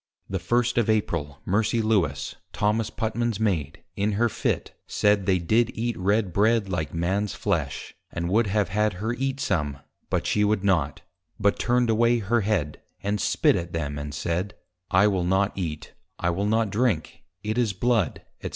The first of April, Mercy Lewis, Thomas Putman's Maid, in her Fit, said, they did eat Red Bread, like Man's Flesh, and would have had her eat some, but she would not; but turned away her head, and spit at them, and said, _I will not Eat, I will not Drink, it is Blood, &c.